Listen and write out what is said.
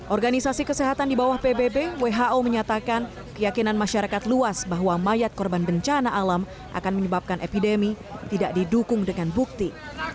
organisasi kesehatan di bawah pbb who menyatakan keyakinan masyarakat luas bahwa mayat korban bencana alam akan menyebabkan epidemi tidak didukung dengan bukti